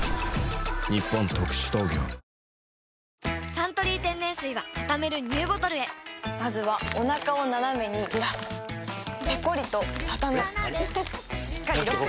「サントリー天然水」はたためるＮＥＷボトルへまずはおなかをナナメにずらすペコリ！とたたむしっかりロック！